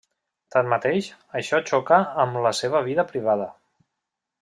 Tanmateix, això xoca amb la seva vida privada.